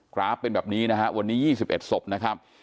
ราฟเป็นแบบนี้นะฮะวันนี้๒๑ศพนะครับ